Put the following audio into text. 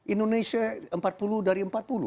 indonesia empat puluh dari empat puluh